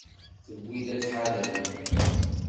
Tewwi-d ad tḥadrem.